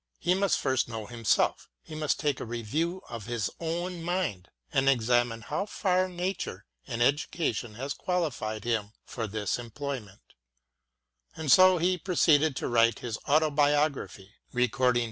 He must first know him self — ^he must take a review of his own mind and examine how far Nature and education had qualified him for this employment ; and so he proceeded to write his autobiography, recording * Letter to Lady Beaumont, May 21, 1807.